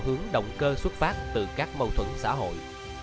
hướng động cơ xuất phát từ các mâu thuẫn xã hội